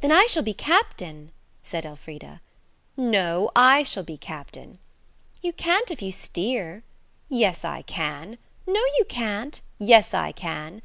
"Then I shall be captain," said Elfrida. "No, I shall be captain." You can't if you steer." "Yes, I can!" "No, you can't!" "Yes, I can!"